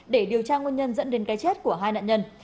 để điều tra nguyên nhân dẫn đến cái chết của hai nạn nhân